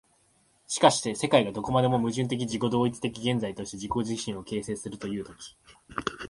しかして世界がどこまでも矛盾的自己同一的現在として自己自身を形成するという時、